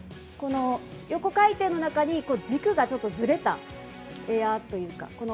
横回転の中に軸がずれたエアというか。